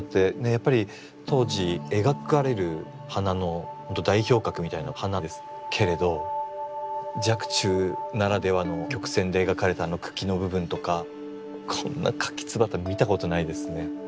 やっぱり当時描かれる花のほんと代表格みたいな花ですけれど若冲ならではの曲線で描かれたあの茎の部分とかこんなかきつばた見たことないですね。